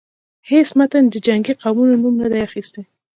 هیڅ متن د جنګی قومونو نوم نه دی اخیستی.